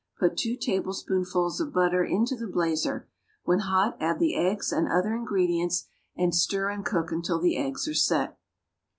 Put two tablespoonfuls of butter into the blazer; when hot add the eggs and other ingredients, and stir and cook until the eggs are set.